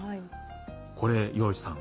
これ岩淵さん